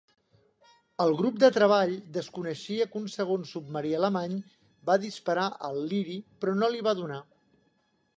El grup de treball desconeixia que un segon submarí alemany va disparar al "Leary" però no li va donar.